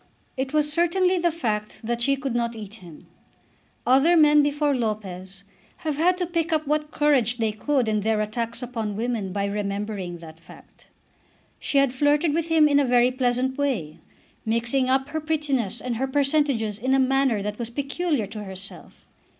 It was certainly the fact that she could not eat him. Other men before Lopez have had to pick up what courage they could in their attacks upon women by remembering that fact. She had flirted with him in a very pleasant way, mixing up her prettiness and her percentages in a manner that was peculiar to herself.